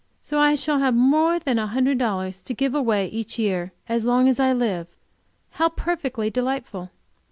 So, I shall have more than a hundred dollars to give away each year, as long as I live! How perfectly delightful!